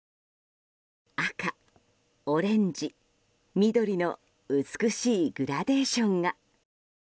赤、オレンジ、緑の美しいグラデーションが。